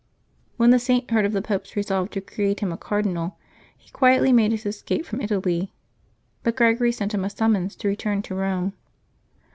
When the Saint heard of the Pope's resolve to create him a Cardinal, he quietly made his escape from Italy. But Gregory sent him a summons to return to Eome.